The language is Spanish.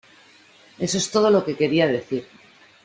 Eso es todo lo que quería decir.